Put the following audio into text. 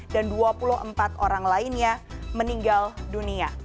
dan dua puluh empat orang lainnya meninggal dunia